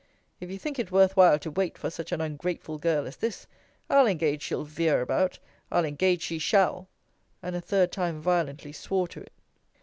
If you think it worthwhile to wait for such an ungrateful girl as this, I'll engage she'll veer about; I'll engage she shall. And a third time violently swore to it.